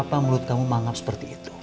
kenapa mulut kamu menganggap seperti itu